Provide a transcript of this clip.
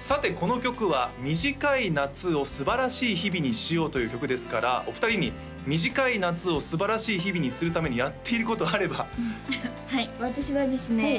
さてこの曲は短い夏をすばらしい日々にしようという曲ですからお二人に短い夏をすばらしい日々にするためにやっていることがあればはい私はですね